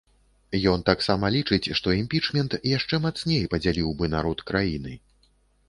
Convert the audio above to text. Ён таксама лічыць, што імпічмент яшчэ мацней падзяліў бы народ краіны.